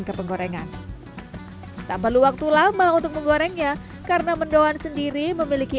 ke penggorengan tak perlu waktu lama untuk menggorengnya karena mendoan sendiri memiliki